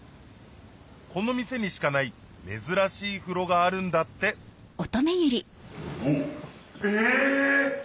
この店にしかない珍しい風呂があるんだってえ！